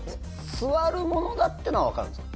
座るものだっていうのはわかるんですか？